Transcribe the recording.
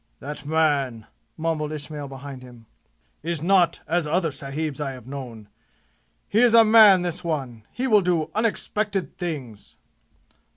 "That man," mumbled Ismail behind him, "is not as other sahibs I have known. He is a man, this one! He will do unexpected things!"